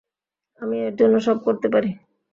আমি এর জন্য সব করতে পারি।